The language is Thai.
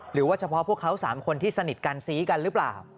หรือว่าเฉพาะพวกเขา๓คนที่สนิทกันซี้กันหรือเปล่า